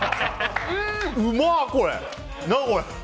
うまっ、これ。